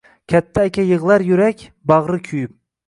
Katta aka yig‘lar yurak, bag‘ri kuyib